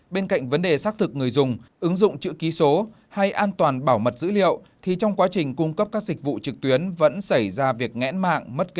bên cạnh vấn đề xác thực người dùng ứng dụng chữ ký số hay an toàn bảo mật dữ liệu thì trong quá trình cung cấp các dịch vụ trực tuyến vẫn xảy ra việc ngãn mạng